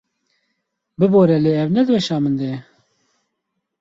Bibore lê ev ne di beşa min de ye?